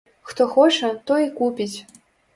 Хто хоча, той і купіць.